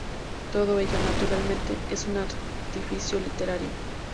Todo ello, naturalmente, es un artificio literario.